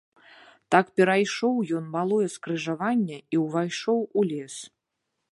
Так перайшоў ён малое скрыжаванне і ўвайшоў у лес.